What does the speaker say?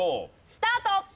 スタート！